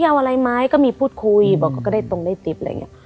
พี่เอาอะไรมั้ยก็มีพูดคุยก็ได้ตรงเตรียม